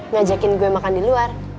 ngajakin gue makan di luar